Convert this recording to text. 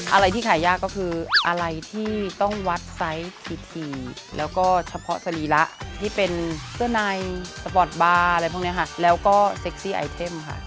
อะไรที่ขายยากก็คืออะไรที่ต้องวัดไซส์ทีแล้วก็เฉพาะสรีระที่เป็นเสื้อในสปอร์ตบาร์อะไรพวกนี้ค่ะแล้วก็เซ็กซี่ไอเทมค่ะ